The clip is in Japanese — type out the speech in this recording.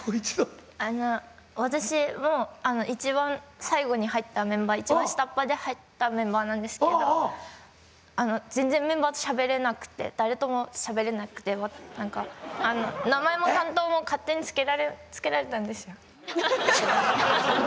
あの私も一番最後に入ったメンバー一番下っ端で入ったメンバーなんですけど全然メンバーとしゃべれなくて誰ともしゃべれなくて何か名前も担当も勝手に付けられたんですよ。